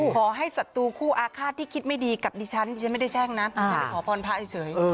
สัตรูคู่อาฆาตที่คิดไม่ดีกับดิฉันดิฉันไม่ได้แช่งนะดิฉันไปขอพรพระเฉย